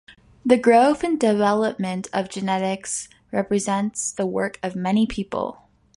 The growth and development of genetics represents the work of many people.